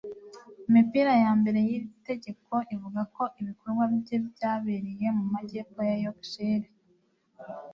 Imipira ya mbere y’iri tegeko ivuga ko ibikorwa bye byabereye mu majyepfo ya Yorkshire